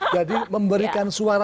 jadi memberikan suara